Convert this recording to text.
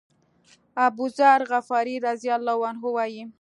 أبوذر غفاري رضی الله عنه وایي.